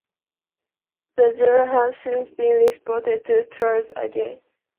The jailhouse has since been restored and tours are given.